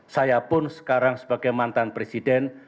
saya pun sekarang sebagai mantan presiden